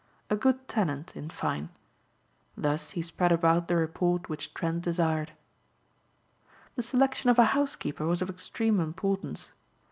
A good tenant, in fine. Thus he spread abroad the report which Trent desired. The selection of a housekeeper was of extreme importance.